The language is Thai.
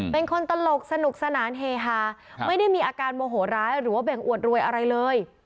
เป็นคนตลกสนุกสนานเฮฮาไม่ได้มีอาการโมโหร้ายหรือว่าเบ่งอวดรวยอะไรเลย